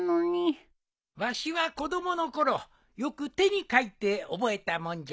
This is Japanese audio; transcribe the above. わしは子供の頃よく手に書いて覚えたもんじゃよ。